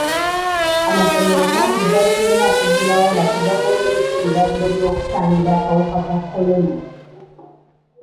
Amasomero mangi gazzeemu okuggulawo nga tegagoberedde biragiro by'okutangira akawuka ka kolona.